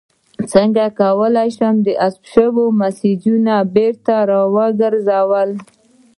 څنګه کولی شم د حذف شویو میسجونو بیرته راګرځول